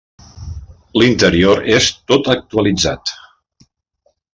L'interior és tot actualitzat.